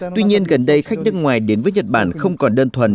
tuy nhiên gần đây khách nước ngoài đến với nhật bản không còn đơn thuần